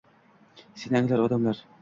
Seni anglar odamlar.